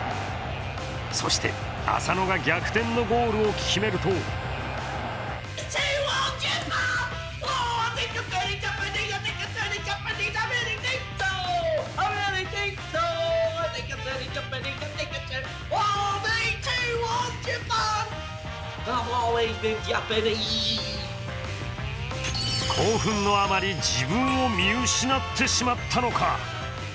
そして、浅野が逆転のゴールを決めると興奮のあまり、自分を見失ってしまったのか。